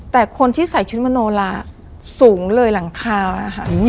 แต่คนที่ใส่ชุดมโนลาสูงเลยหลังคาค่ะ